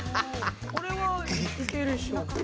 これはいけるでしょ。